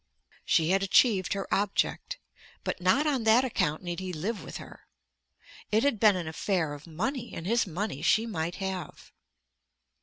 She had achieved her object; but not on that account need he live with her. It had been an affair of money, and his money she might have.